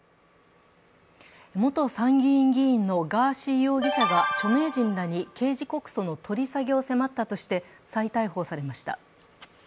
元参議院議員のガーシー容疑者が著名人らに刑事告訴の取り下げを迫ったとして再逮捕されました。